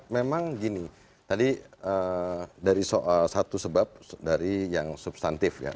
memang gini tadi dari satu sebab dari yang substantif ya